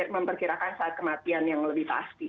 memperkirakan saat kematian yang lebih pasti